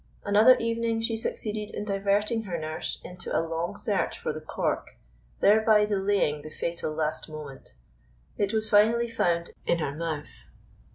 Another evening she succeeded in diverting her nurse into a long search for the cork, thereby delaying the fatal last moment; it was finally found in her mouth.